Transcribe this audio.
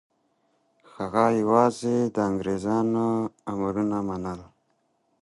هغه یوازې د انګریزانو امرونه منل.